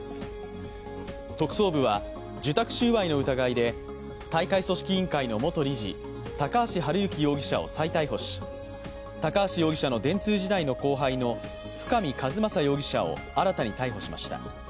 特捜部は受託収賄の疑いで大会組織委員会の元理事高橋治之容疑者を再逮捕し、高橋容疑者の電通時代の後輩の深見和政容疑者を新たに逮捕しました。